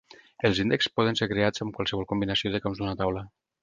Els índexs poden ser creats amb qualsevol combinació de camps d'una taula.